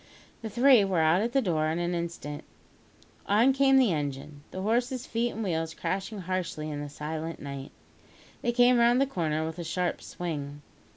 The three were out at the door in an instant. On came the engine, the horses' feet and the wheels crashing harshly in the silent night. They came round the corner with a sharp swing.